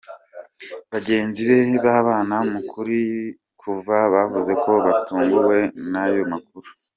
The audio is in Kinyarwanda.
Bagenzi be babana muri kuva bavuze ko batunguwe n’ayo makuru.